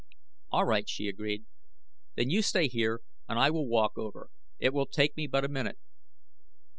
"All right," she agreed; "then you stay here and I will walk over. It will take me but a minute."